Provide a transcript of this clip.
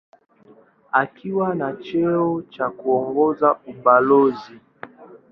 Akiwa na cheo cha kuongoza ubalozi.